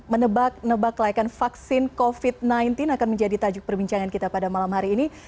menebak nebak layakan vaksin covid sembilan belas akan menjadi tajuk perbincangan kita pada malam hari ini